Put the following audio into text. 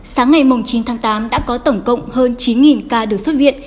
sáng ngày chín tháng tám đã có tổng cộng hơn chín ca được xuất viện